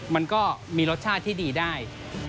มันก็มีรสชาติที่ดีได้